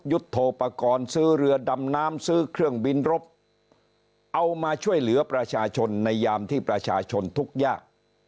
ยุทธโทปกรณ์ซื้อเรือดำน้ำซื้อเครื่องบินรบเอามาช่วยเหลือประชาชนในยามที่ประชาชนทุกข์ยาก